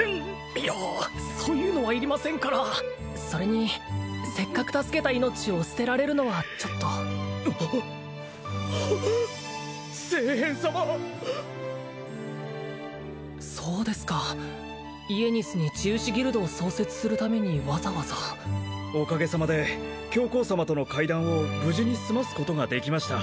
いやそういうのはいりませんからそれにせっかく助けた命を捨てられるのはちょっと聖変様そうですかイエニスに治癒士ギルドを創設するためにわざわざおかげさまで教皇様との会談を無事に済ますことができました